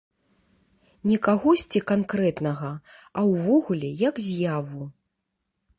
Не кагосьці канкрэтнага, а ўвогуле як з'яву.